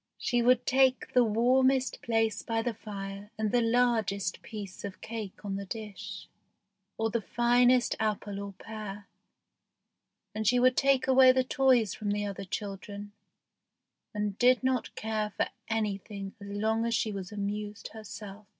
She would take the warmest place by the fire and the largest piece of cake on the dish, or the finest apple or pear; and she would take away the toys from the other children, and did not care for anything as long as she was amused herself.